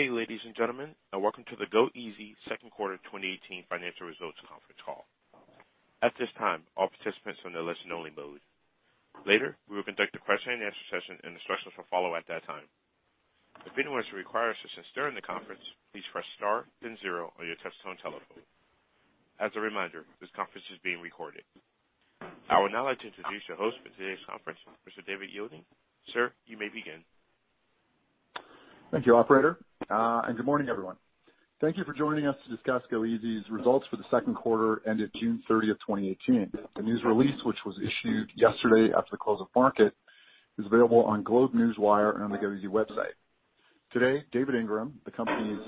Good day, ladies and gentlemen, and welcome to the goeasy second quarter 2018 financial results conference call. At this time, all participants are in a listen-only mode. Later, we will conduct a question and answer session, and instructions will follow at that time. If anyone requires assistance during the conference, please press star then zero on your touchtone telephone. As a reminder, this conference is being recorded. I would now like to introduce your host for today's conference, Mr. David Yeilding. Sir, you may begin. Thank you, operator, and good morning, everyone. Thank you for joining us to discuss goeasy's results for the second quarter ended June 30, 2018. The news release, which was issued yesterday after the close of market, is available on GlobeNewswire and on the goeasy website. Today, David Ingram, the company's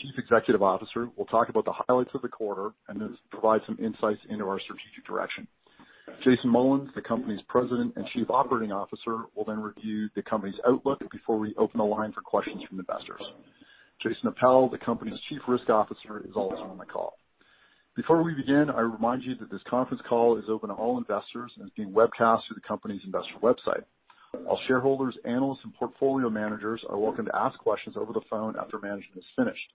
Chief Executive Officer, will talk about the highlights of the quarter and then provide some insights into our strategic direction. Jason Mullins, the company's President and Chief Operating Officer, will then review the company's outlook before we open the line for questions from investors. Jason Appel, the company's Chief Risk Officer, is also on the call. Before we begin, I remind you that this conference call is open to all investors and is being webcast through the company's investor website. All shareholders, analysts, and portfolio managers are welcome to ask questions over the phone after management is finished.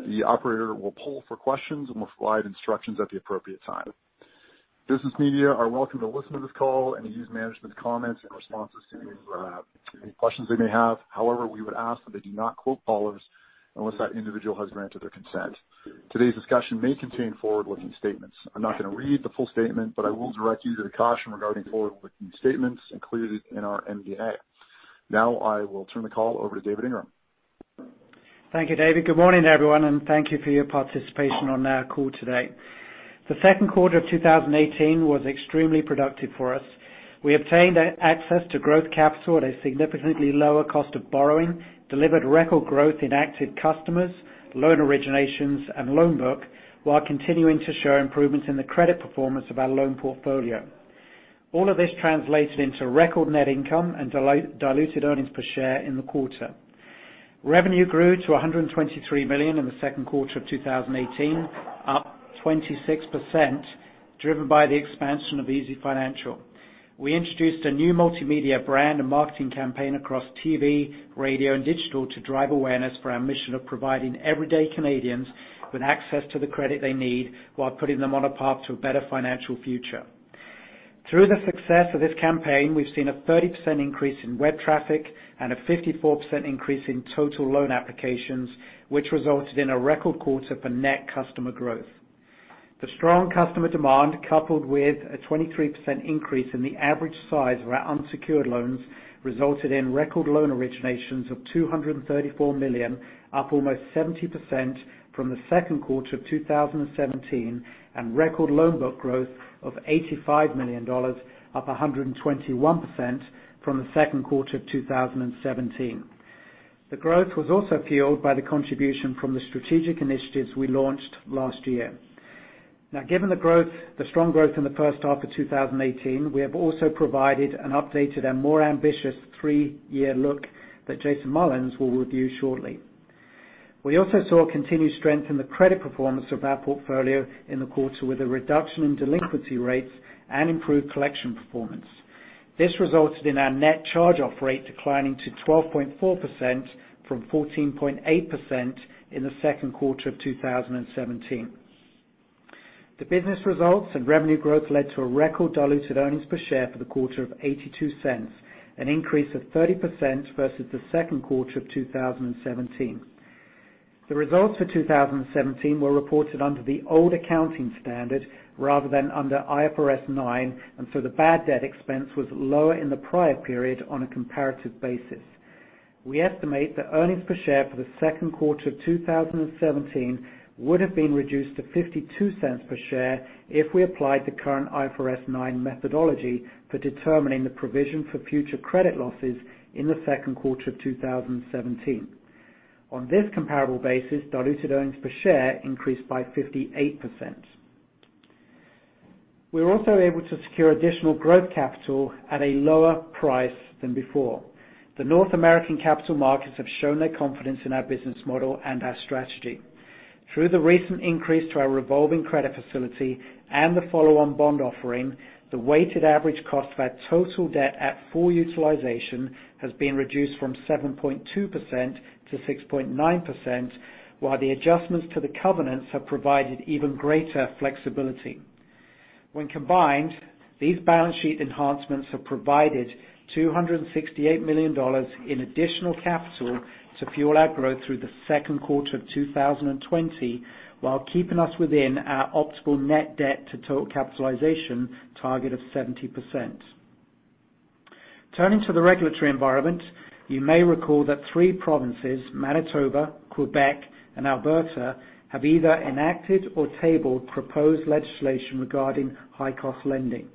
The operator will poll for questions and will provide instructions at the appropriate time. Business media are welcome to listen to this call and use management's comments in responses to any, any questions they may have. However, we would ask that they do not quote callers unless that individual has granted their consent. Today's discussion may contain forward-looking statements. I'm not going to read the full statement, but I will direct you to the caution regarding forward-looking statements included in our MD&A. Now, I will turn the call over to David Ingram. Thank you, David. Good morning, everyone, and thank you for your participation on our call today. The second quarter of two thousand and eighteen was extremely productive for us. We obtained access to growth capital at a significantly lower cost of borrowing, delivered record growth in active customers, loan originations, and loan book, while continuing to show improvements in the credit performance of our loan portfolio. All of this translated into record net income and diluted earnings per share in the quarter. Revenue grew to 123 million in the second quarter of 2018, up 26%, driven by the expansion of easyfinancial. We introduced a new multimedia brand and marketing campaign across TV, radio, and digital to drive awareness for our mission of providing everyday Canadians with access to the credit they need, while putting them on a path to a better financial future. Through the success of this campaign, we've seen a 30% increase in web traffic and a 54% increase in total loan applications, which resulted in a record quarter for net customer growth. The strong customer demand, coupled with a 23% increase in the average size of our unsecured loans, resulted in record loan originations of 234 million, up almost 70% from the second quarter of 2017, and record loan book growth of 85 million dollars, up 121% from the second quarter of 2017. The growth was also fueled by the contribution from the strategic initiatives we launched last year. Now, given the growth, the strong growth in the first half of 2018, we have also provided an updated and more ambitious three-year look that Jason Mullins will review shortly. We also saw continued strength in the credit performance of our portfolio in the quarter, with a reduction in delinquency rates and improved collection performance. This resulted in our net charge-off rate declining to 12.4% from 14.8% in the second quarter of 2017. The business results and revenue growth led to a record diluted earnings per share for the quarter of 0.82, an increase of 30% versus the second quarter of 2017. The results for 2017 were reported under the old accounting standard rather than under IFRS 9, and so the bad debt expense was lower in the prior period on a comparative basis. We estimate that earnings per share for the second quarter of 2017 would have been reduced to 0.52 per share if we applied the current IFRS 9 methodology for determining the provision for future credit losses in the second quarter of 2017. On this comparable basis, diluted earnings per share increased by 58%. We were also able to secure additional growth capital at a lower price than before. The North American capital markets have shown their confidence in our business model and our strategy. Through the recent increase to our revolving credit facility and the follow-on bond offering, the weighted average cost of our total debt at full utilization has been reduced from 7.2% to 6.9%, while the adjustments to the covenants have provided even greater flexibility. When combined, these balance sheet enhancements have provided 268 million dollars in additional capital to fuel our growth through the second quarter of 2020, while keeping us within our optimal net debt to total capitalization target of 70%. Turning to the regulatory environment, you may recall that three provinces, Manitoba, Quebec, and Alberta, have either enacted or tabled proposed legislation regarding high-cost lending.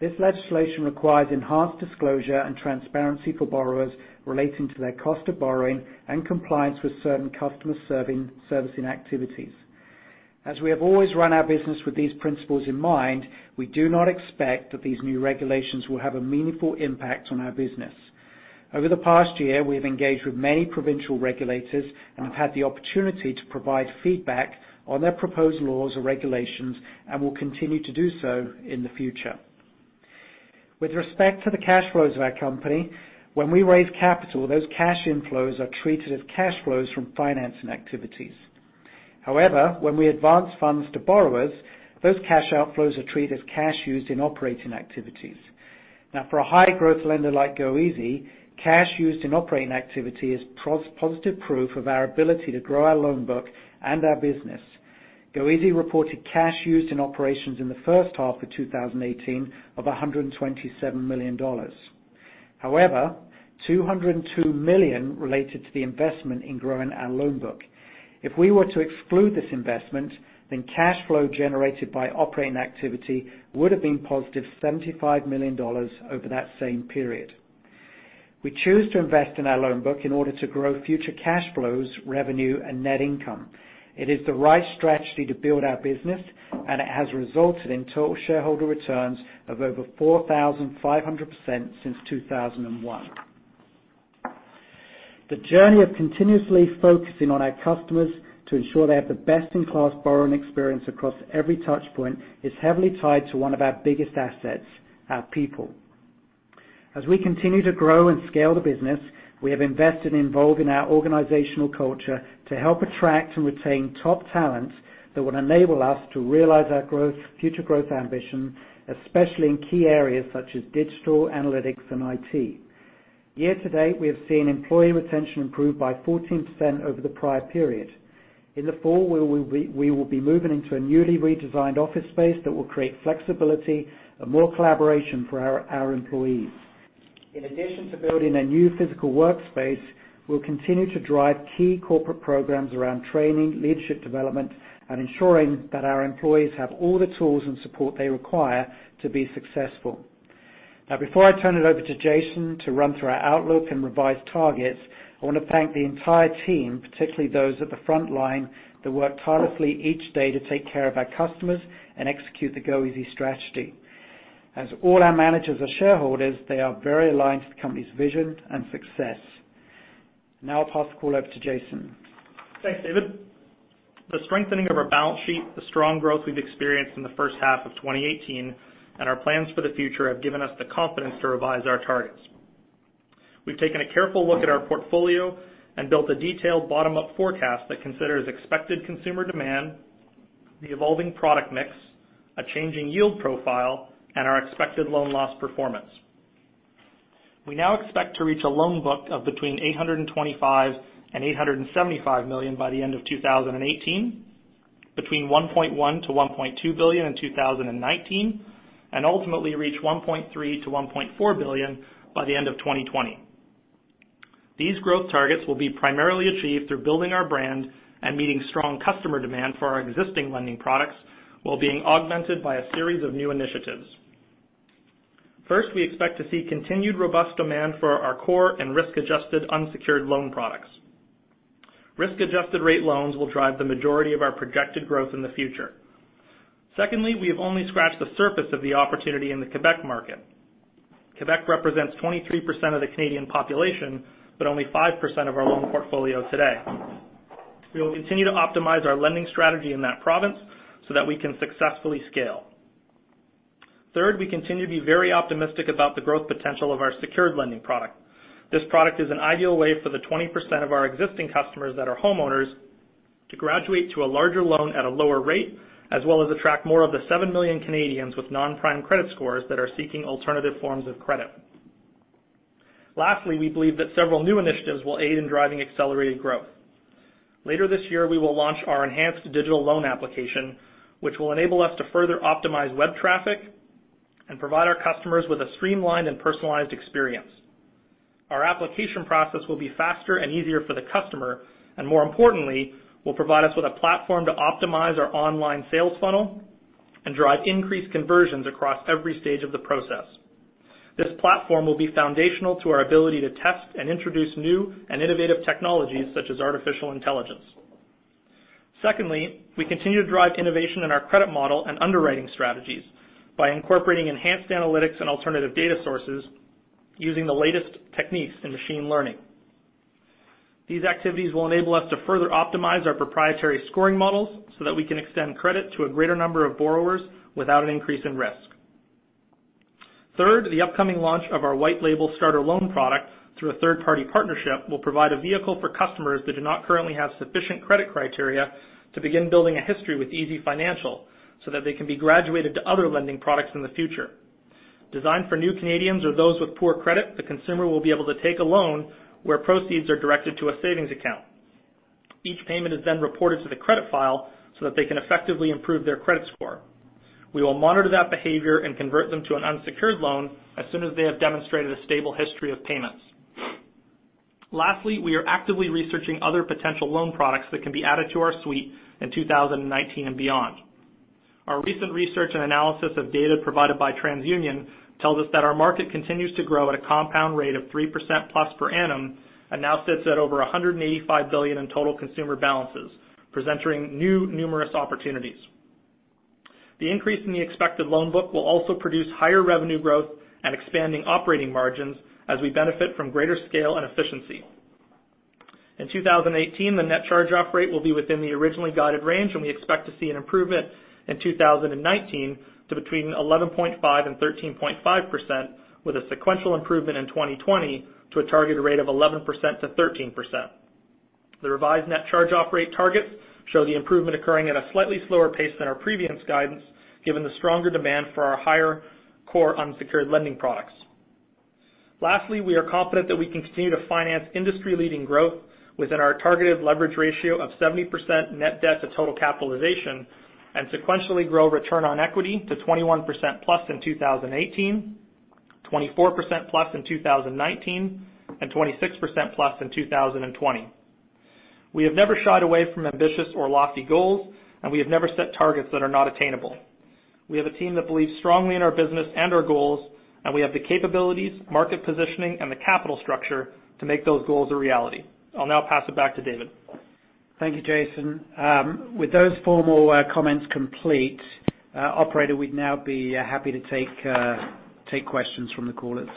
This legislation requires enhanced disclosure and transparency for borrowers relating to their cost of borrowing and compliance with certain customer servicing activities. As we have always run our business with these principles in mind, we do not expect that these new regulations will have a meaningful impact on our business. Over the past year, we have engaged with many provincial regulators and have had the opportunity to provide feedback on their proposed laws or regulations and will continue to do so in the future. With respect to the cash flows of our company, when we raise capital, those cash inflows are treated as cash flows from financing activities. However, when we advance funds to borrowers, those cash outflows are treated as cash used in operating activities. Now, for a high-growth lender like goeasy, cash used in operating activity is positive proof of our ability to grow our loan book and our business. goeasy reported cash used in operations in the first half of 2018 of 127 million dollars. However, 202 million related to the investment in growing our loan book. If we were to exclude this investment, then cash flow generated by operating activity would have been positive 75 million dollars over that same period. We choose to invest in our loan book in order to grow future cash flows, revenue, and net income. It is the right strategy to build our business, and it has resulted in total shareholder returns of over 4,500% since 2001. The journey of continuously focusing on our customers to ensure they have the best-in-class borrowing experience across every touchpoint is heavily tied to one of our biggest assets, our people. As we continue to grow and scale the business, we have invested in evolving our organizational culture to help attract and retain top talent that would enable us to realize our growth, future growth ambition, especially in key areas such as digital, analytics, and IT. Year-to-date, we have seen employee retention improve by 14% over the prior period. In the fall, we will be moving into a newly redesigned office space that will create flexibility and more collaboration for our employees. In addition to building a new physical workspace, we'll continue to drive key corporate programs around training, leadership development, and ensuring that our employees have all the tools and support they require to be successful. Now, before I turn it over to Jason to run through our outlook and revised targets, I want to thank the entire team, particularly those at the frontline, that work tirelessly each day to take care of our customers and execute the goeasy strategy. As all our managers are shareholders, they are very aligned to the company's vision and success. Now I'll pass the call over to Jason. Thanks, David. The strengthening of our balance sheet, the strong growth we've experienced in the first half of 2018, and our plans for the future have given us the confidence to revise our targets. We've taken a careful look at our portfolio and built a detailed bottom-up forecast that considers expected consumer demand, the evolving product mix, a changing yield profile, and our expected loan loss performance. We now expect to reach a loan book of between 825 million and 875 million by the end of 2018, between 1.1 billion to 1.2 billion in 2019, and ultimately reach 1.3 billion to 1.4 billion by the end of 2020. These growth targets will be primarily achieved through building our brand and meeting strong customer demand for our existing lending products, while being augmented by a series of new initiatives. First, we expect to see continued robust demand for our core and risk-adjusted unsecured loan products. Risk-adjusted rate loans will drive the majority of our projected growth in the future. Secondly, we have only scratched the surface of the opportunity in the Quebec market. Quebec represents 23% of the Canadian population, but only 5% of our loan portfolio today. We will continue to optimize our lending strategy in that province so that we can successfully scale. Third, we continue to be very optimistic about the growth potential of our secured lending product. This product is an ideal way for the 20% of our existing customers that are homeowners, to graduate to a larger loan at a lower rate, as well as attract more of the seven million Canadians with non-prime credit scores that are seeking alternative forms of credit. Lastly, we believe that several new initiatives will aid in driving accelerated growth. Later this year, we will launch our enhanced digital loan application, which will enable us to further optimize web traffic and provide our customers with a streamlined and personalized experience. Our application process will be faster and easier for the customer, and more importantly, will provide us with a platform to optimize our online sales funnel and drive increased conversions across every stage of the process. This platform will be foundational to our ability to test and introduce new and innovative technologies, such as artificial intelligence. Secondly, we continue to drive innovation in our credit model and underwriting strategies by incorporating enhanced analytics and alternative data sources using the latest techniques in machine learning. These activities will enable us to further optimize our proprietary scoring models so that we can extend credit to a greater number of borrowers without an increase in risk. Third, the upcoming launch of our white label starter loan product through a third-party partnership will provide a vehicle for customers that do not currently have sufficient credit criteria to begin building a history with easyfinancial, so that they can be graduated to other lending products in the future. Designed for new Canadians or those with poor credit, the consumer will be able to take a loan where proceeds are directed to a savings account. Each payment is then reported to the credit file so that they can effectively improve their credit score. We will monitor that behavior and convert them to an unsecured loan as soon as they have demonstrated a stable history of payments. Lastly, we are actively researching other potential loan products that can be added to our suite in 2019 and beyond. Our recent research and analysis of data provided by TransUnion tells us that our market continues to grow at a compound rate of 3% plus per annum and now sits at over 185 billion in total consumer balances, presenting new, numerous opportunities. The increase in the expected loan book will also produce higher revenue growth and expanding operating margins as we benefit from greater scale and efficiency... In 2018, the net charge-off rate will be within the originally guided range, and we expect to see an improvement in 2019 to between 11.5% and 13.5%, with a sequential improvement in 2020 to a targeted rate of 11% to 13%. The revised net charge-off rate targets show the improvement occurring at a slightly slower pace than our previous guidance, given the stronger demand for our higher core unsecured lending products. Lastly, we are confident that we can continue to finance industry-leading growth within our targeted leverage ratio of 70% net debt to total capitalization, and sequentially grow return on equity to 21%+ in 2018, 24%+ in 2019, and 26%+ in 2020. We have never shied away from ambitious or lofty goals, and we have never set targets that are not attainable. We have a team that believes strongly in our business and our goals, and we have the capabilities, market positioning, and the capital structure to make those goals a reality. I'll now pass it back to David. Thank you, Jason. With those formal comments complete, operator, we'd now be happy to take questions from the callers.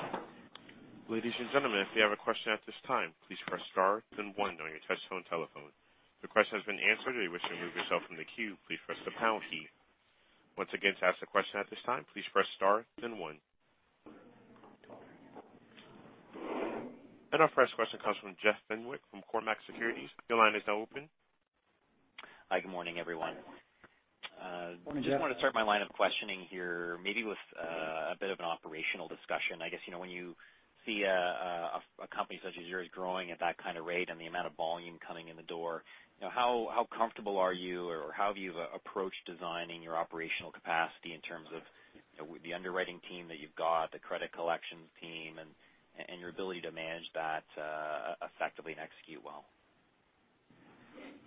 Ladies and gentlemen, if you have a question at this time, please press star then one on your touchtone telephone. If your question has been answered or you wish to remove yourself from the queue, please press the pound key. Once again, to ask a question at this time, please press star then one. And our first question comes from Jeff Fenwick from Cormark Securities. Your line is now open. Hi, good morning, everyone. Good morning, Jeff. Just want to start my line of questioning here, maybe with a bit of an operational discussion. I guess, you know, when you see a company such as yours growing at that kind of rate and the amount of volume coming in the door, you know, how comfortable are you or how have you approached designing your operational capacity in terms of, you know, the underwriting team that you've got, the credit collections team, and your ability to manage that effectively and execute well?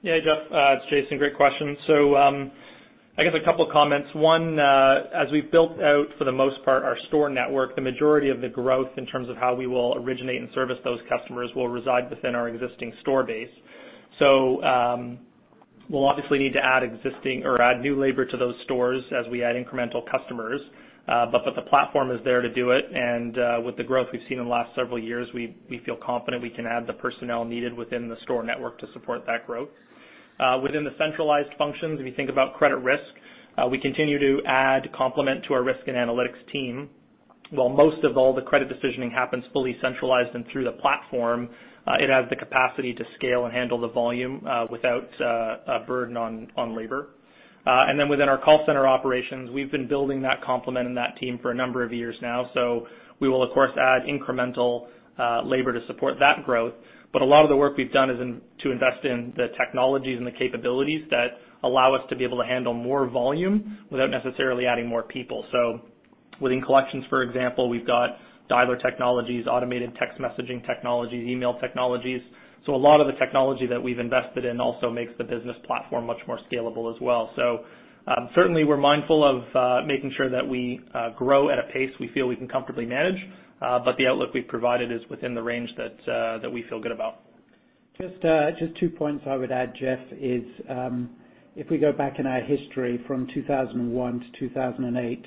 Yeah, Jeff, it's Jason. Great question. So, I guess a couple of comments. One, as we've built out, for the most part, our store network, the majority of the growth in terms of how we will originate and service those customers will reside within our existing store base. So, we'll obviously need to add existing or add new labor to those stores as we add incremental customers, but the platform is there to do it. And, with the growth we've seen in the last several years, we feel confident we can add the personnel needed within the store network to support that growth. Within the centralized functions, if you think about credit risk, we continue to add complement to our risk and analytics team. While most of all the credit decisioning happens fully centralized and through the platform, it has the capacity to scale and handle the volume, without a burden on labor. And then within our call center operations, we've been building that complement and that team for a number of years now. So we will, of course, add incremental labor to support that growth. But a lot of the work we've done is to invest in the technologies and the capabilities that allow us to be able to handle more volume without necessarily adding more people. So within collections, for example, we've got dialer technologies, automated text messaging technologies, email technologies. So a lot of the technology that we've invested in also makes the business platform much more scalable as well. So, certainly, we're mindful of making sure that we grow at a pace we feel we can comfortably manage, but the outlook we've provided is within the range that we feel good about. Just two points I would add, Jeff, is, if we go back in our history from two thousand and one to two thousand and eight,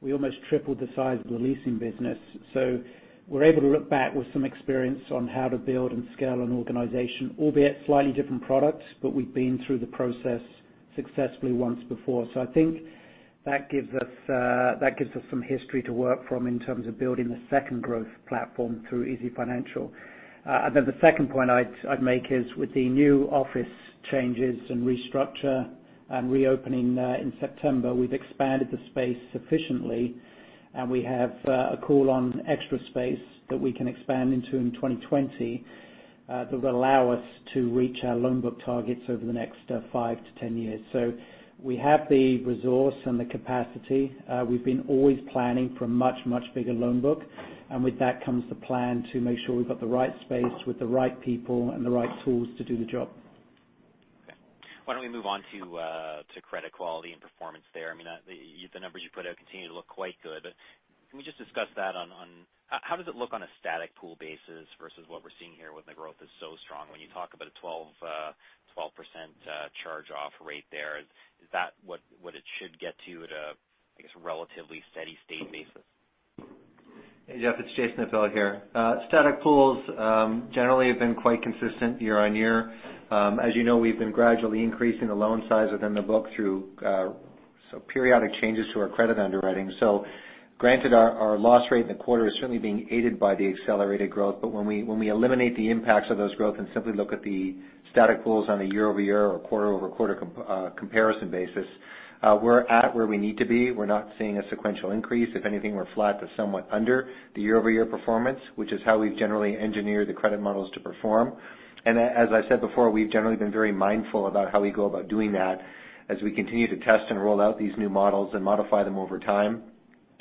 we almost tripled the size of the leasing business. So we're able to look back with some experience on how to build and scale an organization, albeit slightly different products, but we've been through the process successfully once before. So I think that gives us some history to work from in terms of building the second growth platform through easyfinancial. And then the second point I'd make is with the new office changes and restructure and reopening in September, we've expanded the space sufficiently, and we have a call on extra space that we can expand into in 2020 that will allow us to reach our loan book targets over the next five to 10 years. So we have the resource and the capacity. We've been always planning for a much, much bigger loan book, and with that comes the plan to make sure we've got the right space with the right people and the right tools to do the job. Okay. Why don't we move on to credit quality and performance there? I mean, the numbers you put out continue to look quite good. Can we just discuss that on how does it look on a static pool basis versus what we're seeing here, when the growth is so strong? When you talk about a 12% charge-off rate there, is that what it should get to at a, I guess, relatively steady state basis? Hey, Jeff, it's Jason Appel here. Static pools generally have been quite consistent year on year. As you know, we've been gradually increasing the loan size within the book through so periodic changes to our credit underwriting. So granted, our loss rate in the quarter is certainly being aided by the accelerated growth. But when we eliminate the impacts of those growth and simply look at the static pools on a year-over-year or quarter-over-quarter comparison basis, we're at where we need to be. We're not seeing a sequential increase. If anything, we're flat to somewhat under the year-over-year performance, which is how we've generally engineered the credit models to perform. As I said before, we've generally been very mindful about how we go about doing that as we continue to test and roll out these new models and modify them over time.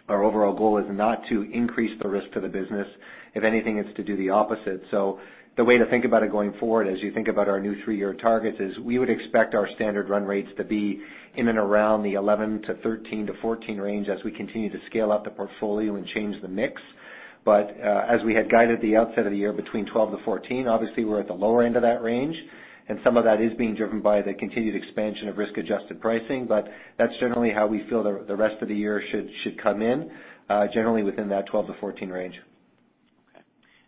Our overall goal is not to increase the risk to the business. If anything, it's to do the opposite. So the way to think about it going forward, as you think about our new three-year targets, is we would expect our standard run rates to be in and around the 11-13 to 14 range as we continue to scale out the portfolio and change the mix. But, as we had guided at the outset of the year, between 12-14, obviously, we're at the lower end of that range, and some of that is being driven by the continued expansion of risk-adjusted pricing. But that's generally how we feel the rest of the year should come in, generally within that twelve to fourteen range.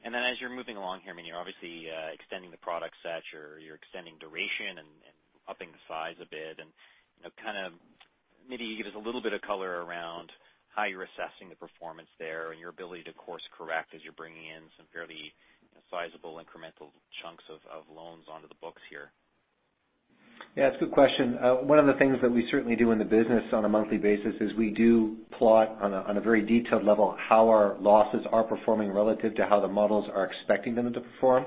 ...And then as you're moving along here, I mean, you're obviously extending the product set, you're extending duration and upping the size a bit. You know, kind of maybe give us a little bit of color around how you're assessing the performance there and your ability to course correct as you're bringing in some fairly sizable incremental chunks of loans onto the books here. Yeah, it's a good question. One of the things that we certainly do in the business on a monthly basis is we do plot on a very detailed level, how our losses are performing relative to how the models are expecting them to perform.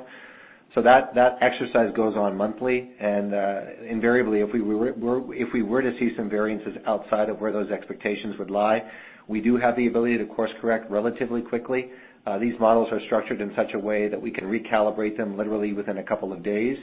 So that exercise goes on monthly. And invariably, if we were to see some variances outside of where those expectations would lie, we do have the ability to course correct relatively quickly. These models are structured in such a way that we can recalibrate them literally within a couple of days.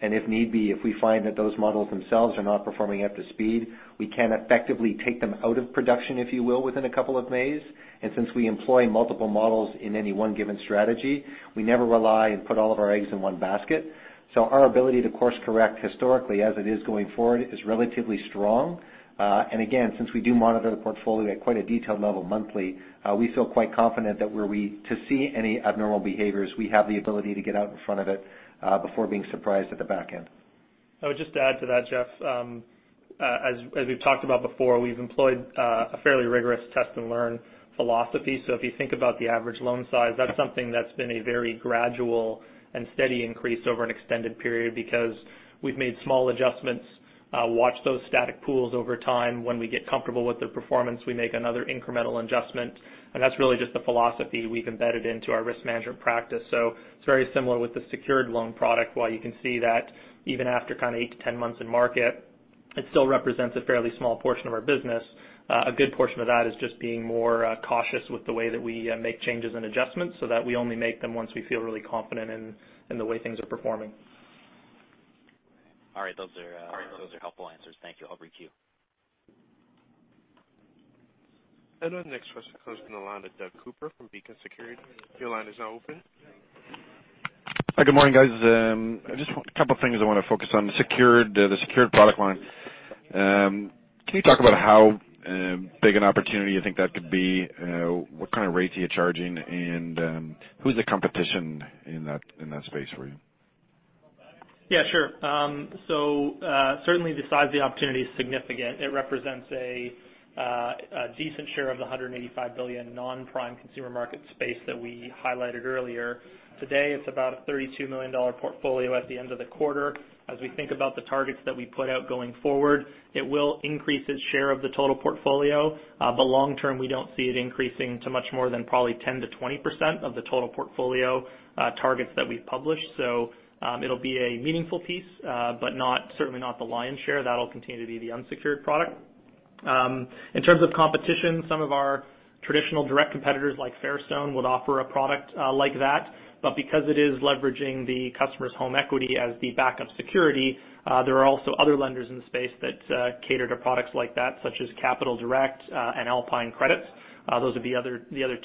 And if need be, if we find that those models themselves are not performing up to speed, we can effectively take them out of production, if you will, within a couple of days. And since we employ multiple models in any one given strategy, we never rely and put all of our eggs in one basket. So our ability to course correct historically as it is going forward, is relatively strong. And again, since we do monitor the portfolio at quite a detailed level monthly, we feel quite confident that were we to see any abnormal behaviors, we have the ability to get out in front of it before being surprised at the back end. I would just add to that, Jeff, as we've talked about before, we've employed a fairly rigorous test and learn philosophy. So if you think about the average loan size, that's something that's been a very gradual and steady increase over an extended period, because we've made small adjustments, watch those static pools over time. When we get comfortable with their performance, we make another incremental adjustment, and that's really just the philosophy we've embedded into our risk management practice. So it's very similar with the secured loan product. While you can see that even after kind of eight to 10 months in market, it still represents a fairly small portion of our business. A good portion of that is just being more cautious with the way that we make changes and adjustments, so that we only make them once we feel really confident in the way things are performing. All right. Those are, those are helpful answers. Thank you. I'll queue. The next question comes from the line of Doug Cooper from Beacon Securities. Your line is now open. Hi, good morning, guys. Just a couple of things I want to focus on. The secured product line. Can you talk about how big an opportunity you think that could be? What kind of rates are you charging? And, who's the competition in that space for you? Yeah, sure. So, certainly the size of the opportunity is significant. It represents a decent share of the 185 billion non-prime consumer market space that we highlighted earlier. Today, it's about a 32 million dollar portfolio at the end of the quarter. As we think about the targets that we put out going forward, it will increase its share of the total portfolio. But long term, we don't see it increasing to much more than probably 10%-20% of the total portfolio targets that we've published. So, it'll be a meaningful piece, but not, certainly not the lion's share. That'll continue to be the unsecured product. In terms of competition, some of our traditional direct competitors, like Fairstone, would offer a product like that, but because it is leveraging the customer's home equity as the backup security, there are also other lenders in the space that cater to products like that, such as Capital Direct and Alpine Credits. Those are the other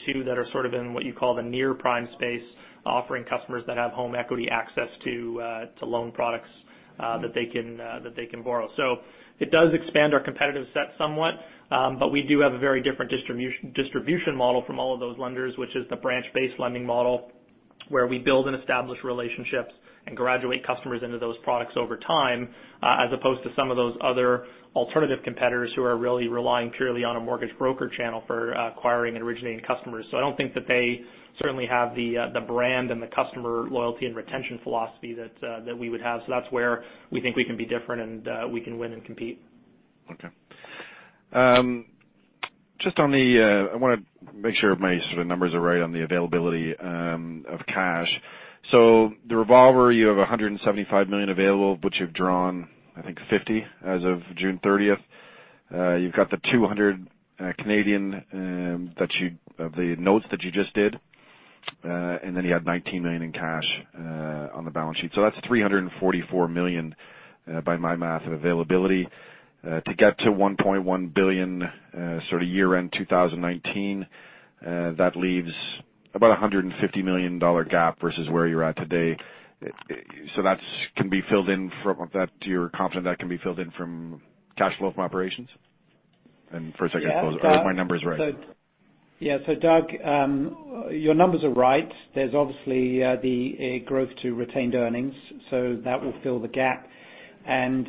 two that are sort of in what you call the near prime space, offering customers that have home equity access to loan products that they can borrow. So it does expand our competitive set somewhat, but we do have a very different distribution model from all of those lenders, which is the branch-based lending model, where we build and establish relationships and graduate customers into those products over time, as opposed to some of those other alternative competitors who are really relying purely on a mortgage broker channel for acquiring and originating customers. So I don't think that they certainly have the brand and the customer loyalty and retention philosophy that we would have. So that's where we think we can be different and we can win and compete. Okay. Just on the, I wanna make sure my sort of numbers are right on the availability of cash. So the revolver, you have 175 million available, which you've drawn, I think, 50 as of June 30. You've got the 200 Canadian of the notes that you just did, and then you had 19 million in cash on the balance sheet. So that's 344 million, by my math, of availability. To get to 1.1 billion, sort of year-end 2019, that leaves about a 150 million dollar gap versus where you're at today. So that can be filled in that you're confident that can be filled in from cash flow from operations? And second, if my numbers are right. Yeah. So, Doug, your numbers are right. There's obviously a growth to retained earnings, so that will fill the gap. And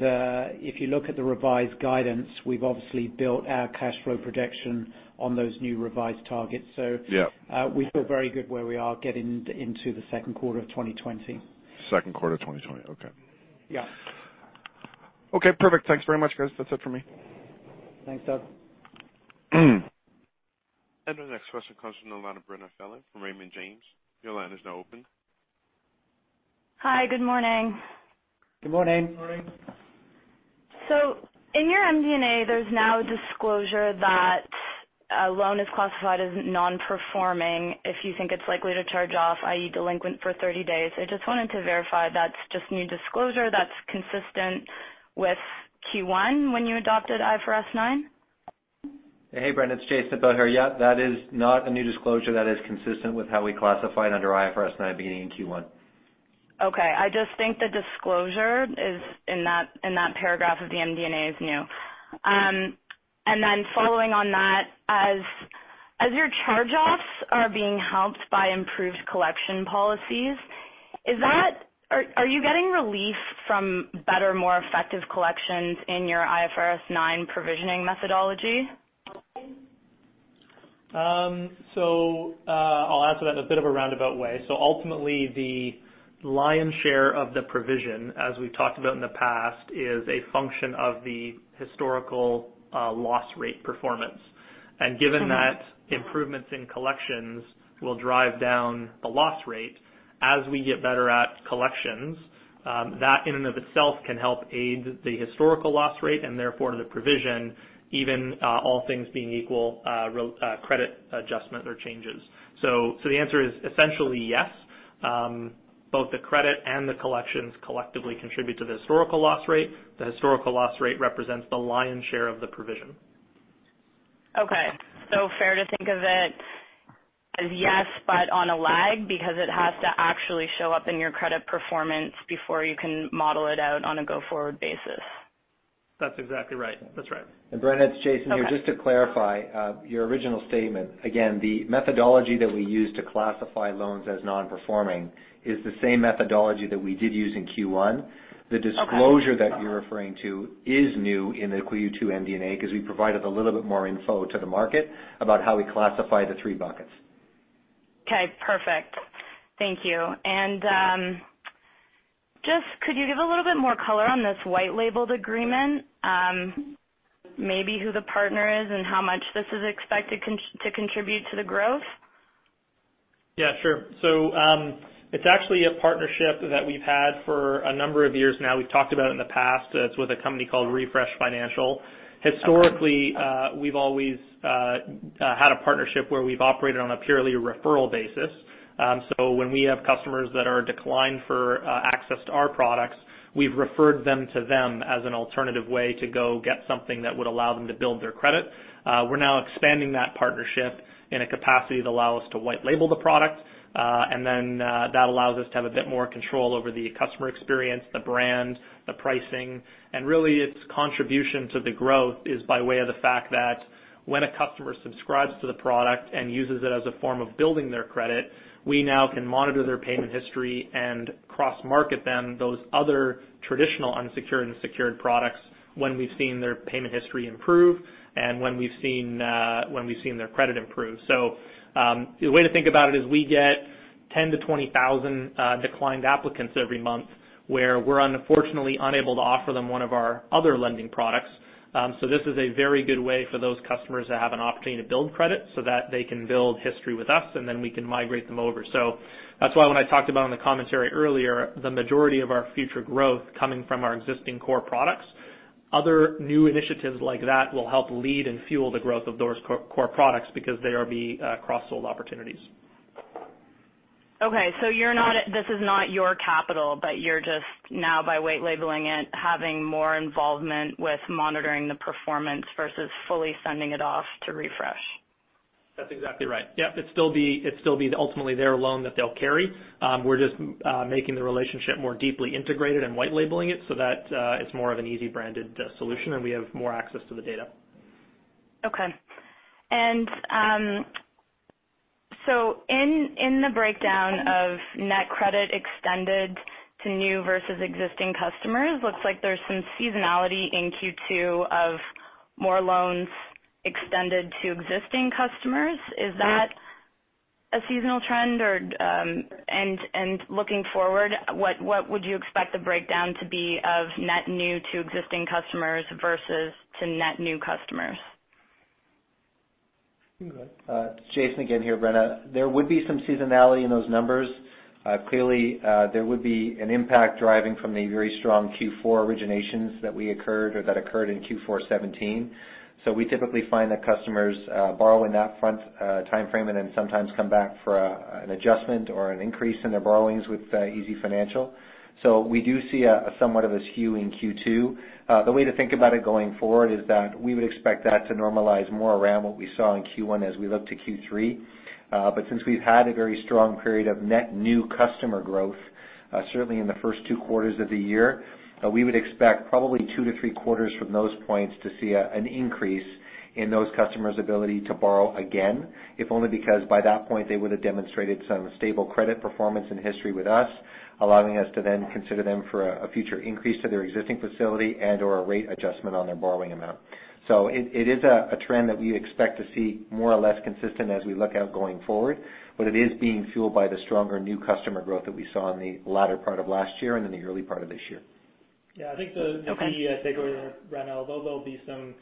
if you look at the revised guidance, we've obviously built our cash flow projection on those new revised targets. Yeah. So we feel very good where we are getting into the second quarter of 2020. Second quarter of 2020. Okay. Yeah. Okay, perfect. Thanks very much, guys. That's it for me. Thanks, Doug. The next question comes from the line of Brenna Phelan from Raymond James. Your line is now open. Hi, good morning. Good morning. Good morning. In your MD&A, there's now a disclosure that a loan is classified as non-performing if you think it's likely to charge-off, i.e., delinquent for thirty days. I just wanted to verify that's just new disclosure that's consistent with Q1 when you adopted IFRS 9? Hey, Brenna, it's Jason Appel here. Yeah, that is not a new disclosure. That is consistent with how we classified under IFRS 9, beginning in Q1.... Okay, I just think the disclosure is in that paragraph of the MD&A is new. And then following on that, as your charge-offs are being helped by improved collection policies, are you getting relief from better, more effective collections in your IFRS 9 provisioning methodology? So, I'll answer that in a bit of a roundabout way. So ultimately, the lion's share of the provision, as we've talked about in the past, is a function of the historical loss rate performance. And given that improvements in collections will drive down the loss rate, as we get better at collections, that in and of itself can help aid the historical loss rate, and therefore, the provision, even all things being equal, credit adjustment or changes. So the answer is essentially yes. Both the credit and the collections collectively contribute to the historical loss rate. The historical loss rate represents the lion's share of the provision. Okay. Fair to think of it as yes, but on a lag, because it has to actually show up in your credit performance before you can model it out on a go-forward basis. That's exactly right. That's right. Brenna, it's Jason here. Okay. Just to clarify, your original statement, again, the methodology that we use to classify loans as non-performing is the same methodology that we did use in Q1. Okay. The disclosure that you're referring to is new in the Q2 MD&A, because we provided a little bit more info to the market about how we classify the three buckets. Okay, perfect. Thank you, and just could you give a little bit more color on this white labeled agreement, maybe who the partner is and how much this is expected to contribute to the growth? Yeah, sure. So, it's actually a partnership that we've had for a number of years now. We've talked about it in the past. It's with a company called Refresh Financial. Historically, we've always had a partnership where we've operated on a purely referral basis. So when we have customers that are declined for access to our products, we've referred them to them as an alternative way to go get something that would allow them to build their credit. We're now expanding that partnership in a capacity that allow us to white label the product, and then that allows us to have a bit more control over the customer experience, the brand, the pricing. Really, its contribution to the growth is by way of the fact that when a customer subscribes to the product and uses it as a form of building their credit, we now can monitor their payment history and cross-market them those other traditional unsecured and secured products when we've seen their payment history improve and when we've seen their credit improve. The way to think about it is we get 10-20 thousand declined applicants every month where we're unfortunately unable to offer them one of our other lending products. This is a very good way for those customers to have an opportunity to build credit so that they can build history with us, and then we can migrate them over. So that's why when I talked about in the commentary earlier, the majority of our future growth coming from our existing core products. Other new initiatives like that will help lead and fuel the growth of those core products because they are cross-sold opportunities. Okay, so you're not. This is not your capital, but you're just now, by white labeling it, having more involvement with monitoring the performance versus fully sending it off to Refresh? That's exactly right. Yep, it'd still be ultimately their loan that they'll carry. We're just making the relationship more deeply integrated and white labeling it so that it's more of an easy branded solution, and we have more access to the data. Okay. And, so in the breakdown of net credit extended to new versus existing customers, looks like there's some seasonality in Q2 of more loans extended to existing customers. Mm-hmm. Is that a seasonal trend, or... And looking forward, what would you expect the breakdown to be of net new to existing customers versus net new customers? Jason again here, Brenna. There would be some seasonality in those numbers. Clearly, there would be an impact deriving from the very strong Q4 originations that occurred in Q4 2017. So we typically find that customers borrow in that front timeframe and then sometimes come back for an adjustment or an increase in their borrowings with easyfinancial. So we do see a somewhat of a skew in Q2. The way to think about it going forward is that we would expect that to normalize more around what we saw in Q1 as we look to Q3. But since we've had a very strong period of net new customer growth, certainly in the first two quarters of the year, we would expect probably two to three quarters from those points to see an increase in those customers' ability to borrow again. If only because by that point, they would have demonstrated some stable credit performance and history with us, allowing us to then consider them for a future increase to their existing facility and/or a rate adjustment on their borrowing amount. So it is a trend that we expect to see more or less consistent as we look out going forward, but it is being fueled by the stronger new customer growth that we saw in the latter part of last year and in the early part of this year. Yeah, I think Okay... the key takeaway there, Brenna, although there'll be some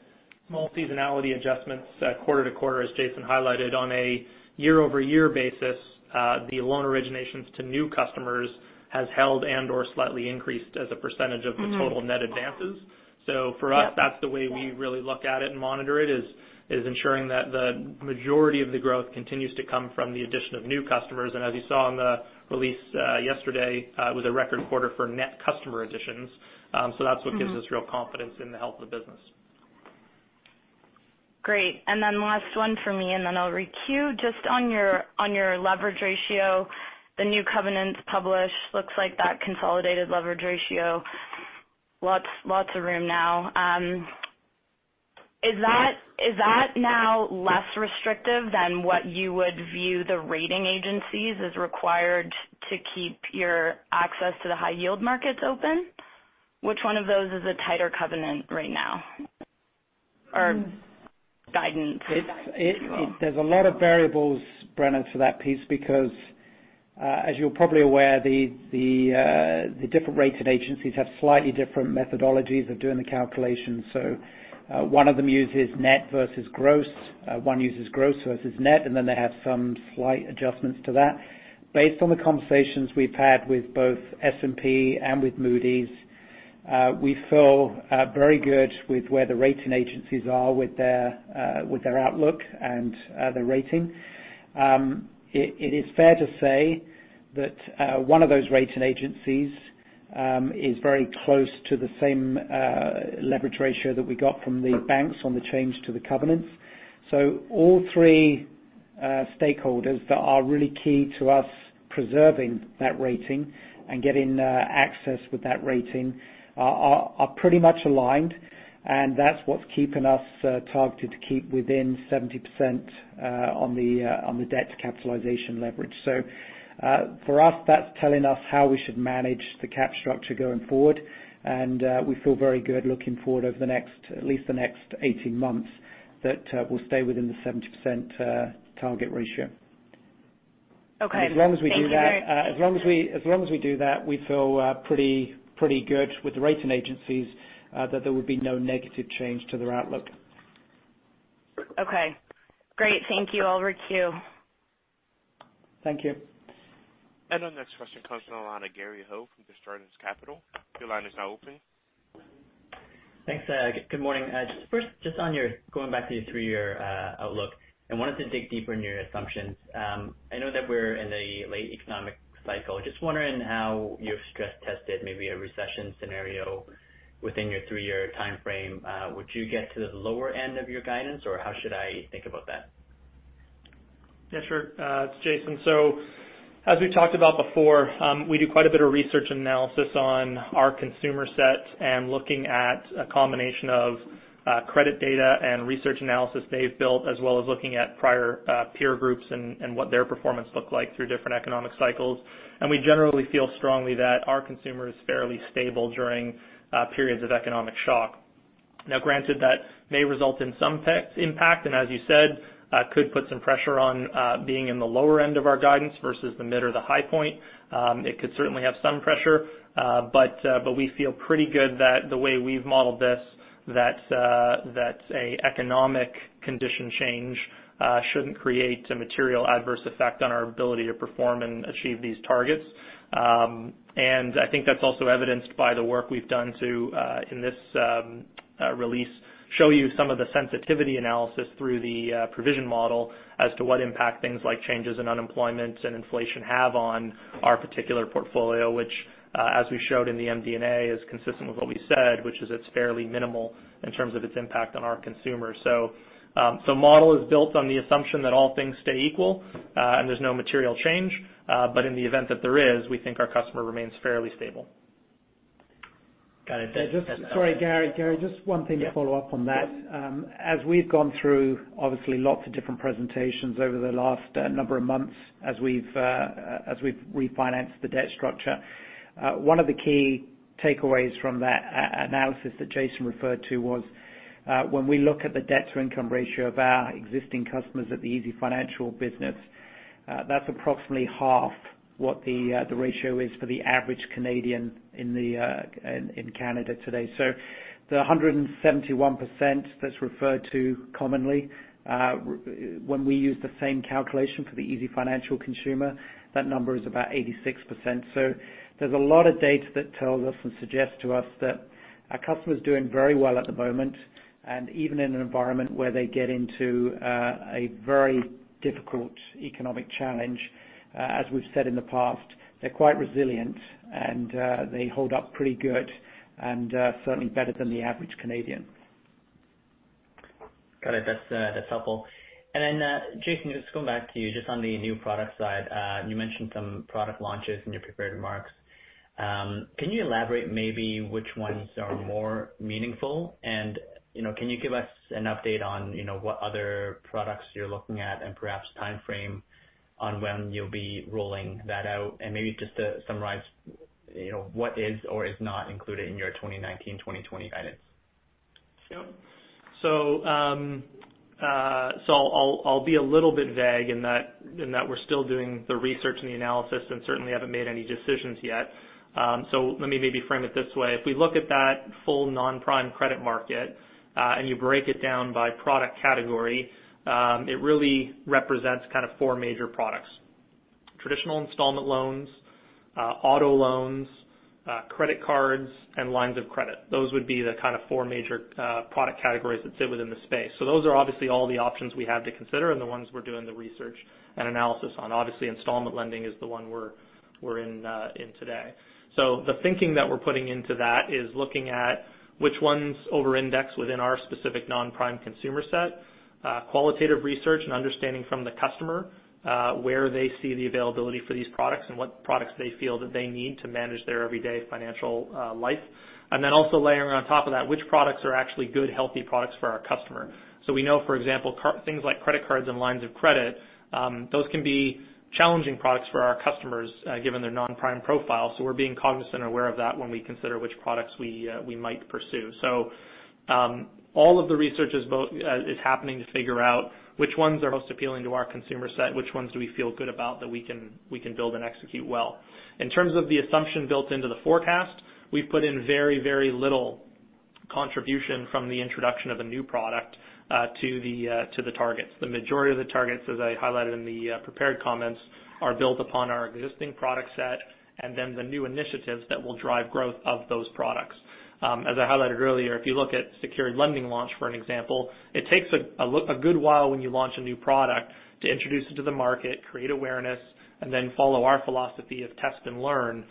small seasonality adjustments, quarter to quarter, as Jason highlighted, on a year-over-year basis, the loan originations to new customers has held and/or slightly increased as a percentage of- Mm-hmm... the total net advances. So for us- Yep... that's the way we really look at it and monitor it, is ensuring that the majority of the growth continues to come from the addition of new customers. And as you saw in the release yesterday, it was a record quarter for net customer additions. So that's what- Mm-hmm... gives us real confidence in the health of the business. ... Great. And then last one for me, and then I'll re-queue. Just on your leverage ratio, the new covenants published. Looks like that consolidated leverage ratio, lots of room now. Is that now less restrictive than what you would view the rating agencies as required to keep your access to the high yield markets open? Which one of those is a tighter covenant right now, or guidance? There's a lot of variables, Brenna, to that piece, because as you're probably aware, the different rating agencies have slightly different methodologies of doing the calculation. So, one of them uses net versus gross, one uses gross versus net, and then they have some slight adjustments to that. Based on the conversations we've had with both S&P and with Moody's, we feel very good with where the rating agencies are with their outlook and their rating. It is fair to say that one of those rating agencies is very close to the same leverage ratio that we got from the banks on the change to the covenants. So all three stakeholders that are really key to us preserving that rating and getting access with that rating are pretty much aligned, and that's what's keeping us targeted to keep within 70% on the debt to capitalization leverage. So for us, that's telling us how we should manage the cap structure going forward. And we feel very good looking forward over the next, at least the next 18 months, that we'll stay within the 70% target ratio. Okay. As long as we do that, we feel pretty good with the rating agencies that there will be no negative change to their outlook. Okay, great. Thank you. I'll re-queue. Thank you. Our next question comes from the line of Gary Ho from Desjardins Capital. Your line is now open. Thanks, good morning. Just first, just on your, going back to your three-year outlook, I wanted to dig deeper in your assumptions. I know that we're in a late economic cycle. Just wondering how you've stress tested maybe a recession scenario within your three-year timeframe. Would you get to the lower end of your guidance, or how should I think about that? Yeah, sure. It's Jason. So as we've talked about before, we do quite a bit of research analysis on our consumer set and looking at a combination of credit data and research analysis they've built, as well as looking at prior peer groups and what their performance looked like through different economic cycles. And we generally feel strongly that our consumer is fairly stable during periods of economic shock. Now, granted, that may result in some tech impact, and as you said, could put some pressure on being in the lower end of our guidance versus the mid or the high point. It could certainly have some pressure, but we feel pretty good that the way we've modeled this, that a economic condition change shouldn't create a material adverse effect on our ability to perform and achieve these targets, and I think that's also evidenced by the work we've done to, in this release, show you some of the sensitivity analysis through the provision model as to what impact things like changes in unemployment and inflation have on our particular portfolio, which, as we showed in the MD&A, is consistent with what we said, which is it's fairly minimal in terms of its impact on our consumer. The model is built on the assumption that all things stay equal, and there's no material change, but in the event that there is, we think our customer remains fairly stable. Got it. Sorry, Gary. Gary, just one thing to follow up on that. As we've gone through, obviously, lots of different presentations over the last number of months as we've refinanced the debt structure, one of the key takeaways from that analysis that Jason referred to was, when we look at the debt-to-income ratio of our existing customers at the easyfinancial business, that's approximately half what the ratio is for the average Canadian in Canada today. So the 171% that's referred to commonly, when we use the same calculation for the easyfinancial consumer, that number is about 86%. There's a lot of data that tells us and suggests to us that our customers are doing very well at the moment, and even in an environment where they get into a very difficult economic challenge, as we've said in the past, they're quite resilient, and they hold up pretty good and certainly better than the average Canadian. Got it. That's, that's helpful. And then, Jason, just going back to you, just on the new product side, you mentioned some product launches in your prepared remarks. Can you elaborate maybe which ones are more meaningful? And, you know, can you give us an update on, you know, what other products you're looking at and perhaps timeframe on when you'll be rolling that out? And maybe just to summarize, you know, what is or is not included in your 2019, 2020 guidance. Yep. So I'll be a little bit vague in that we're still doing the research and the analysis and certainly haven't made any decisions yet. So let me maybe frame it this way. If we look at that full non-prime credit market and you break it down by product category, it really represents kind of four major products: traditional installment loans, auto loans, credit cards, and lines of credit. Those would be the kind of four major product categories that fit within the space. So those are obviously all the options we have to consider and the ones we're doing the research and analysis on. Obviously, installment lending is the one we're in today. So the thinking that we're putting into that is looking at which ones over-index within our specific non-prime consumer set, qualitative research and understanding from the customer, where they see the availability for these products and what products they feel that they need to manage their everyday financial life. And then also layering on top of that, which products are actually good, healthy products for our customer. So we know, for example, things like credit cards and lines of credit, those can be challenging products for our customers, given their non-prime profile. So we're being cognizant and aware of that when we consider which products we might pursue. So, all of the research is happening to figure out which ones are most appealing to our consumer set, which ones do we feel good about that we can build and execute well. In terms of the assumption built into the forecast, we've put in very, very little contribution from the introduction of a new product to the targets. The majority of the targets, as I highlighted in the prepared comments, are built upon our existing product set, and then the new initiatives that will drive growth of those products. As I highlighted earlier, if you look at secured lending launch, for an example, it takes a good while when you launch a new product to introduce it to the market, create awareness, and then follow our philosophy of test and learn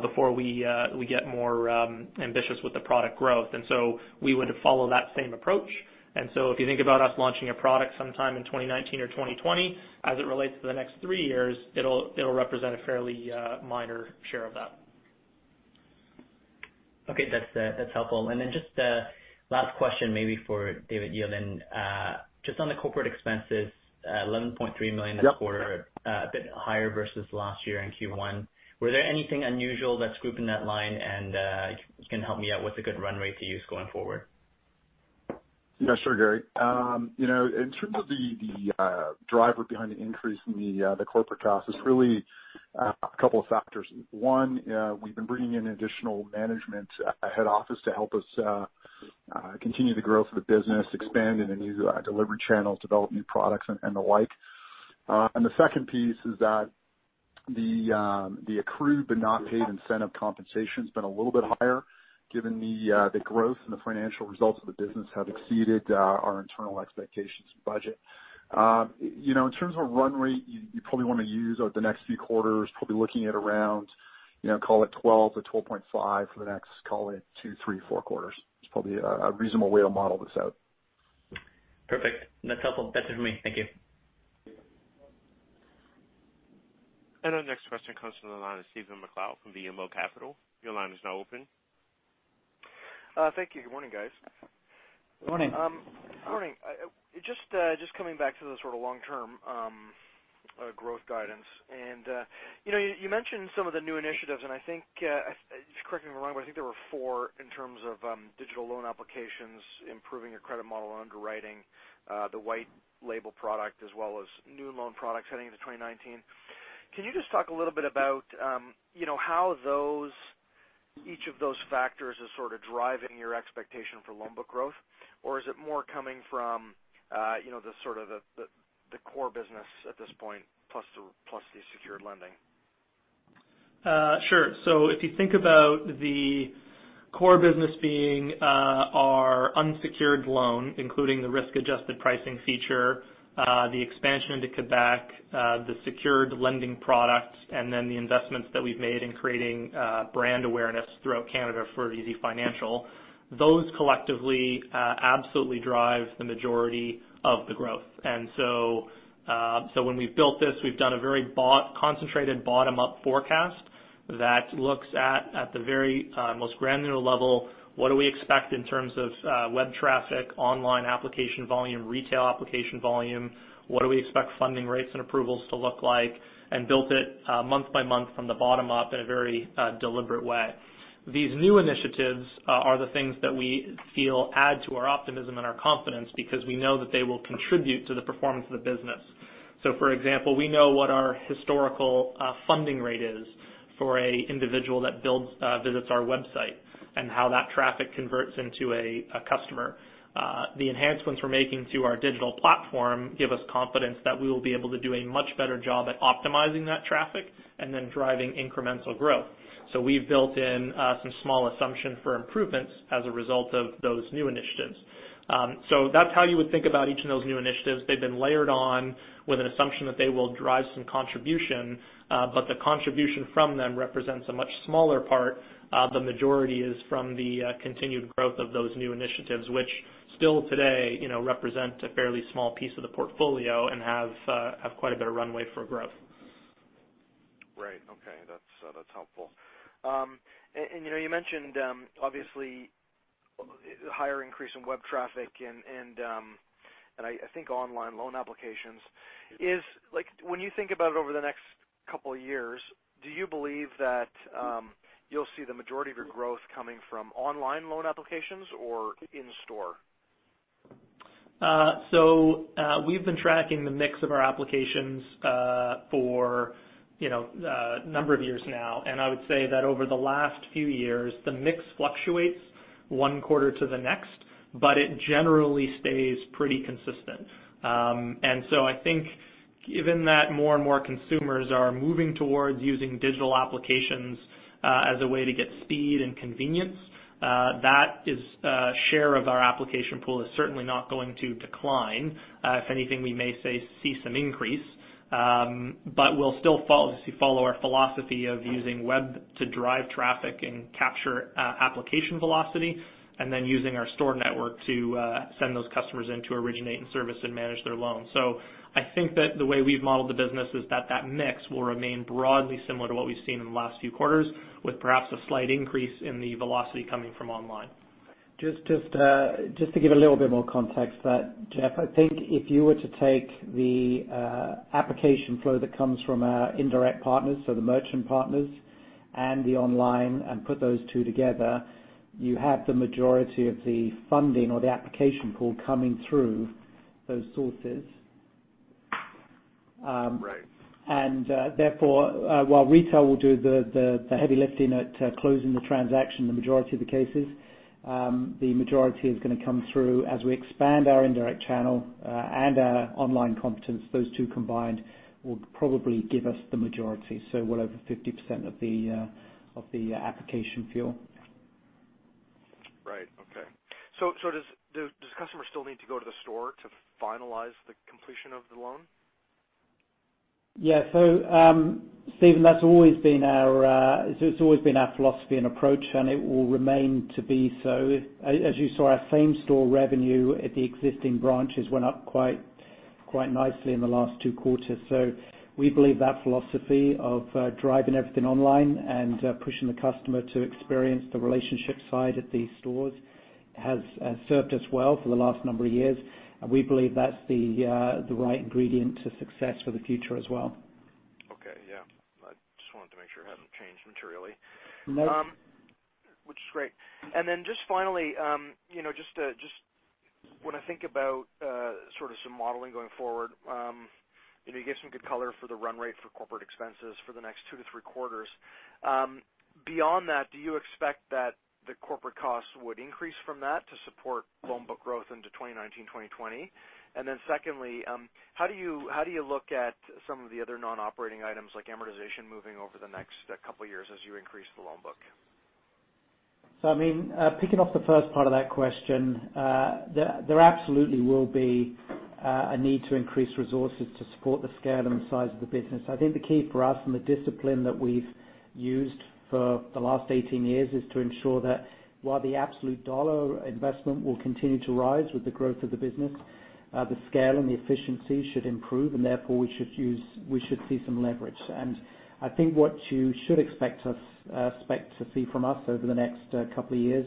before we get more ambitious with the product growth. And so we would follow that same approach. And so if you think about us launching a product sometime in 2019 or 2020, as it relates to the next three years, it'll represent a fairly minor share of that. Okay, that's, that's helpful. And then just a last question, maybe for David Yeilding. Just on the corporate expenses, 11.3 million this quarter- Yep. A bit higher versus last year in Q1. Were there anything unusual that's grouped in that line? And, if you can help me out, what's a good run rate to use going forward? Yeah, sure, Gary. You know, in terms of the driver behind the increase in the corporate costs, it's really a couple of factors. One, we've been bringing in additional management head office to help us continue the growth of the business, expand into new delivery channels, develop new products, and the like. And the second piece is that the accrued but not paid incentive compensation's been a little bit higher, given the growth and the financial results of the business have exceeded our internal expectations and budget. You know, in terms of run rate, you probably want to use over the next few quarters, probably looking at around, you know, call it 12 to 12.5 for the next, call it two, three, four quarters. It's probably a reasonable way to model this out. Perfect. That's helpful. That's it for me. Thank you. Our next question comes from the line of Stephen MacLeod from BMO Capital. Your line is now open. Thank you. Good morning, guys. Good morning. Good morning. I just coming back to the sort of long-term growth guidance, and you know, you mentioned some of the new initiatives, and I think just correct me if I'm wrong, but I think there were four in terms of digital loan applications, improving your credit model underwriting, the white label product, as well as new loan products heading into 2019. Can you just talk a little bit about you know, how those, each of those factors is sort of driving your expectation for loan book growth? Or is it more coming from you know, the sort of the core business at this point, plus the secured lending? Sure. So if you think about the core business being our unsecured loan, including the risk-adjusted pricing feature, the expansion into Quebec, the secured lending products, and then the investments that we've made in creating brand awareness throughout Canada for easyfinancial, those collectively absolutely drive the majority of the growth. And so, when we've built this, we've done a very concentrated bottom-up forecast that looks at the very most granular level, what do we expect in terms of web traffic, online application volume, retail application volume? What do we expect funding rates and approvals to look like, and built it month by month from the bottom up in a very deliberate way. These new initiatives are the things that we feel add to our optimism and our confidence because we know that they will contribute to the performance of the business. So for example, we know what our historical funding rate is for an individual that visits our website, and how that traffic converts into a customer. The enhancements we're making to our digital platform give us confidence that we will be able to do a much better job at optimizing that traffic and then driving incremental growth. So we've built in some small assumption for improvements as a result of those new initiatives. So that's how you would think about each of those new initiatives. They've been layered on with an assumption that they will drive some contribution, but the contribution from them represents a much smaller part. The majority is from the continued growth of those new initiatives, which still today, you know, represent a fairly small piece of the portfolio and have quite a bit of runway for growth. Right. Okay. That's helpful. And you know, you mentioned obviously higher increase in web traffic and I think online loan applications. Like, when you think about it over the next couple of years, do you believe that you'll see the majority of your growth coming from online loan applications or in store? So, we've been tracking the mix of our applications for you know a number of years now, and I would say that over the last few years, the mix fluctuates one quarter to the next, but it generally stays pretty consistent. And so I think given that more and more consumers are moving towards using digital applications as a way to get speed and convenience, that share of our application pool is certainly not going to decline. If anything, we may see some increase, but we'll still follow our philosophy of using web to drive traffic and capture application velocity, and then using our store network to send those customers in to originate and service and manage their loans. So I think that the way we've modeled the business is that that mix will remain broadly similar to what we've seen in the last few quarters, with perhaps a slight increase in the velocity coming from online. Just to give a little bit more context to that, Jeff, I think if you were to take the application flow that comes from our indirect partners, so the merchant partners and the online, and put those two together, you have the majority of the funding or the application pool coming through those sources. Right. Therefore, while retail will do the heavy lifting at closing the transaction in the majority of the cases, the majority is gonna come through as we expand our indirect channel and our online component. Those two combined will probably give us the majority, so well over 50% of the application funnel. Right. Okay. So, does the customer still need to go to the store to finalize the completion of the loan? Yeah. So, Stephen, that's always been our philosophy and approach, and it will remain to be so. As you saw, our same-store revenue at the existing branches went up quite nicely in the last two quarters. So we believe that philosophy of driving everything online and pushing the customer to experience the relationship side at the stores has served us well for the last number of years, and we believe that's the right ingredient to success for the future as well. Okay. Yeah. I just wanted to make sure it hasn't changed materially. No. Which is great. And then just finally, you know, just to, just when I think about, sort of some modeling going forward, and you gave some good color for the run rate for corporate expenses for the next two to three quarters. Beyond that, do you expect that the corporate costs would increase from that to support loan book growth into 2019, 2020? And then secondly, how do you, how do you look at some of the other non-operating items like amortization moving over the next couple of years as you increase the loan book? I mean, picking up the first part of that question, there absolutely will be a need to increase resources to support the scale and the size of the business. I think the key for us and the discipline that we've used for the last eighteen years is to ensure that while the absolute dollar investment will continue to rise with the growth of the business, the scale and the efficiency should improve, and therefore, we should see some leverage. I think what you should expect to see from us over the next couple of years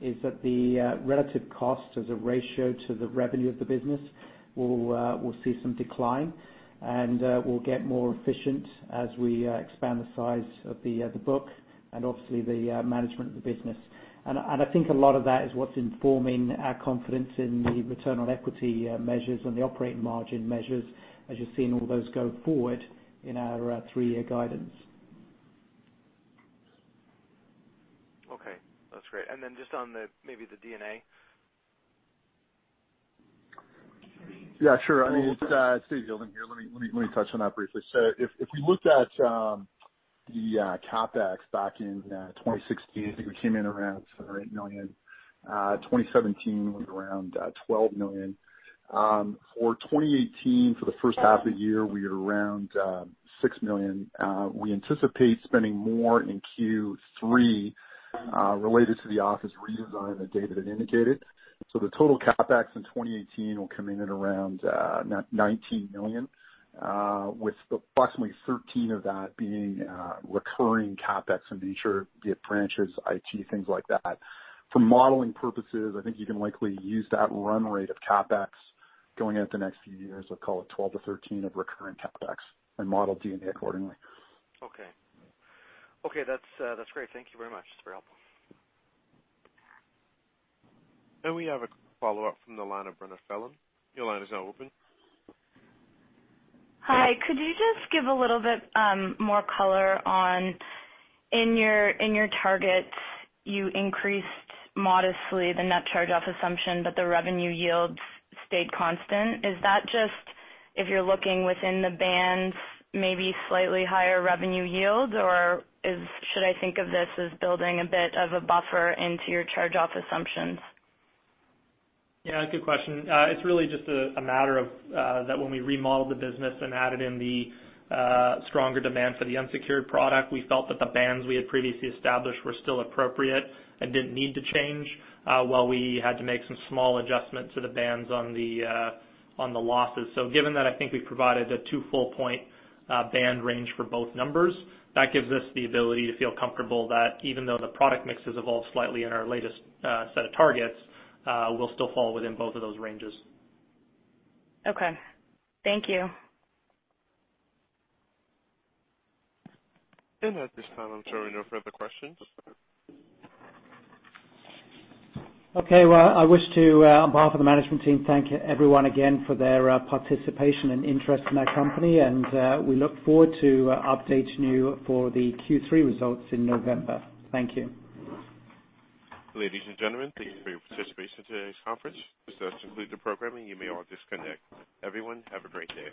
is that the relative cost as a ratio to the revenue of the business will see some decline, and we'll get more efficient as we expand the size of the book and obviously the management of the business. I think a lot of that is what's informing our confidence in the return on equity measures and the operating margin measures, as you've seen all those go forward in our three-year guidance. Okay. That's great, and then just on the, maybe the D&A. Yeah, sure. I mean, it's Steve Hildon here. Let me touch on that briefly. So if we looked at the CapEx back in 2016, I think we came in around 7 million-8 million. 2017 was around 12 million. For 2018, for the first half of the year, we are around 6 million. We anticipate spending more in Q3 related to the office redesign, as David indicated. So the total CapEx in 2018 will come in at around 19 million with approximately 13 million of that being recurring CapEx, and refurbishing the branches, IT, things like that. For modeling purposes, I think you can likely use that run rate of CapEx going out the next few years. I'd call it 12-13 of recurring CapEx and model D&A accordingly. Okay. Okay, that's great. Thank you very much. It's very helpful. Then we have a follow-up from the line of Brenna Phelan. Your line is now open. Hi, could you just give a little bit more color on in your targets, you increased modestly the net charge-off assumption, but the revenue yields stayed constant. Is that just if you're looking within the bands, maybe slightly higher revenue yields, or is... should I think of this as building a bit of a buffer into your charge-off assumptions? Yeah, good question. It's really just a matter of that when we remodeled the business and added in the stronger demand for the unsecured product, we felt that the bands we had previously established were still appropriate and didn't need to change while we had to make some small adjustments to the bands on the losses. So given that, I think we provided a two full point band range for both numbers. That gives us the ability to feel comfortable that even though the product mix has evolved slightly in our latest set of targets, we'll still fall within both of those ranges. Okay. Thank you. At this time, I'm showing no further questions. I wish to, on behalf of the management team, thank everyone again for their participation and interest in our company, and we look forward to updating you for the Q3 results in November. Thank you. Ladies and gentlemen, thank you for your participation in today's conference. This does conclude the program, and you may all disconnect. Everyone, have a great day.